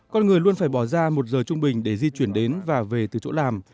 con người luôn phải bỏ ra một giờ trung bình để di chuyển đến và về từ chỗ làm